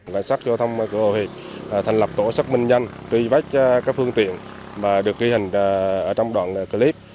cảnh sát giao thông cửa ô hòa hiệp thành lập tổ xác minh nhanh truy bách các phương tiện mà được ghi hình trong đoạn clip